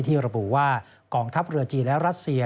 ระบุว่ากองทัพเรือจีนและรัสเซีย